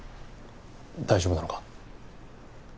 大丈夫なのか？